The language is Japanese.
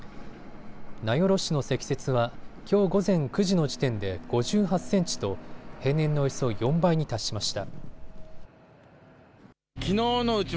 名寄市の積雪はきょう午前９時の時点で５８センチと平年のおよそ４倍に達しました。